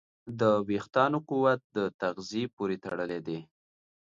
د وېښتیانو قوت د تغذیې پورې تړلی دی.